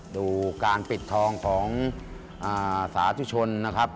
ดูการปิดทองของสาธุชนนะครับ